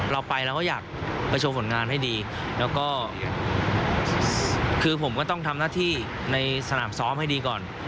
เราไปเราก็อยากประชุมผลงานให้ดีแล้วก็คือผมก็ต้องทำหน้าที่ในสนามซ้อมให้ดีก่อน